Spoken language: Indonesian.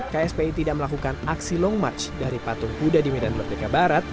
kspi tidak melakukan aksi long march dari patung kuda di medan merdeka barat